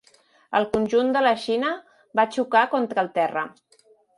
El conjunt de la Xina va xocar contra el terra.